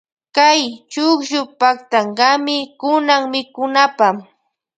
Kay chukllu paktankami kunan mikunapa.